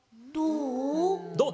どう？